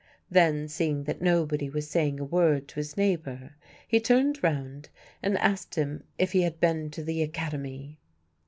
Then, seeing that nobody was saying a word to his neighbour, he turned round and asked him if he had been to the Academy.